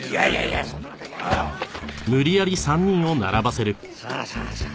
さあさあさあさあ。